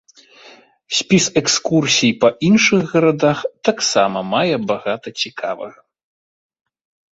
Спіс экскурсій па іншых гарадах таксама мае багата цікавага.